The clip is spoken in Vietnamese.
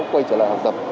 quay trở lại học tập